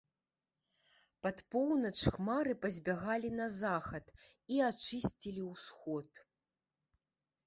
Пад поўнач хмары пазбягалі на захад і ачысцілі ўсход.